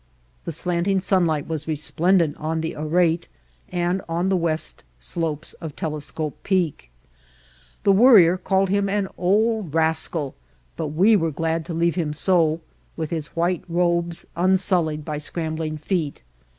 The slant ing sunlight was resplendent on the arete and the west slopes of Telescope Peak. The Worrier called him an old rascal; but we were glad to leave him so, with his white robes unsullied by scrambling feet.